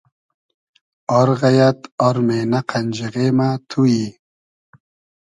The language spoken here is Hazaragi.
آر غݷد آر مېنۂ قئنجیغې مۂ تو یی